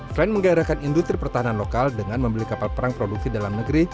selain menggairahkan industri pertahanan lokal dengan membeli kapal perang produksi dalam negeri